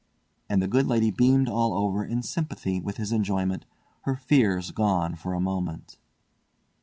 and the good lady beamed all over in sympathy with his enjoyment, her fears gone for a moment.